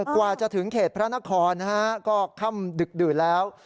กว่าจะถึงเขตพระนครนะฮะก็ค่ำดึกดื่นแล้ว